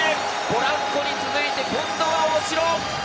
ポランコに続いて今度は大城！